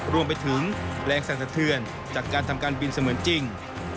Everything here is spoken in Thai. รวมไปถึงแรงสั่นสะเทือนจากการทำการบินเสมือนจริง